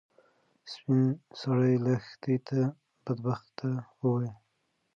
سپین سرې لښتې ته بدبخته وویل.